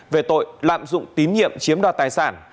về tội lạm dụng tín nhiệm chiếm đoạt tài sản